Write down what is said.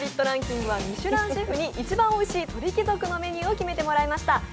ランキングはミシュランシェフに一番おいしい鳥貴族のメニューを決めてもらいました。